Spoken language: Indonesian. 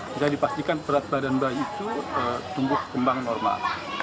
bisa dipastikan berat badan bayi itu tumbuh kembang normal